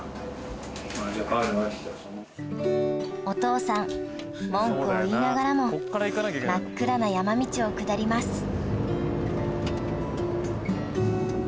お父さん文句を言いながらも真っ暗な山道を下ります